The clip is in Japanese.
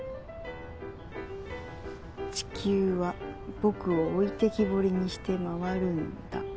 「地球は僕を置いてきぼりにして回るんだ」。